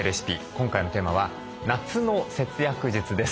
今回のテーマは「夏の節約術」です。